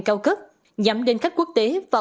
cao cấp nhắm đến khách quốc tế và